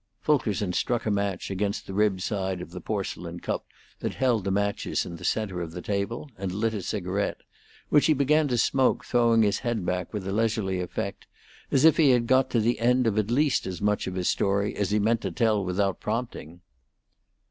Fulkerson struck a match against the ribbed side of the porcelain cup that held the matches in the centre of the table, and lit a cigarette, which he began to smoke, throwing his head back with a leisurely effect, as if he had got to the end of at least as much of his story as he meant to tell without prompting.